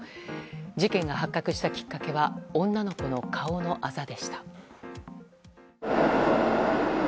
事件が発覚したきっかけは女の子の顔のあざでした。